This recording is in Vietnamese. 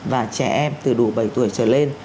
và trẻ em từ đủ bảy tuổi trở lên